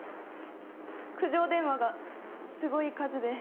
苦情電話がすごい数で。